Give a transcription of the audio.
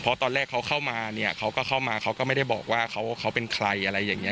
เพราะตอนแรกเขาเข้ามาเนี่ยเขาก็เข้ามาเขาก็ไม่ได้บอกว่าเขาเป็นใครอะไรอย่างนี้